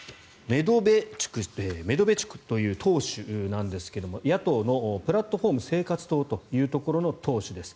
メドベチュクという党首なんですが野党のプラットフォーム−生活党というところの党首です。